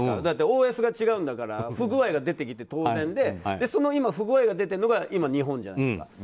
だってＯＳが違うんだから不具合が出てきて当然で今、その不具合が出てるのが日本じゃないですか。